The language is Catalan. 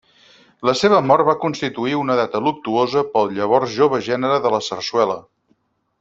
La seva mort va constituir una data luctuosa pel llavors jove gènere de la sarsuela.